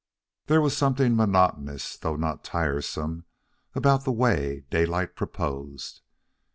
There was something monotonous, though not tiresome, about the way Daylight proposed.